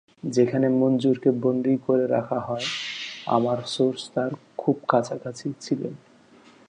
যেখানে মঞ্জুরকে বন্দী করে রাখা হয়, আমার সোর্স তাঁর খুব কাছাকাছি ছিলেন।